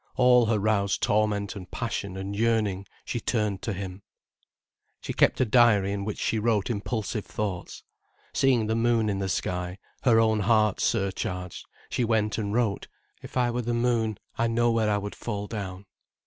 All her roused torment and passion and yearning she turned to him. She kept a diary, in which she wrote impulsive thoughts. Seeing the moon in the sky, her own heart surcharged, she went and wrote: "If I were the moon, I know where I would fall down."